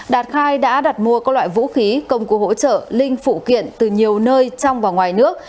đạt khai đã đặt mua các loại vũ khí công cụ hỗ trợ linh phụ kiện từ nhiều nơi trong và ngoài nước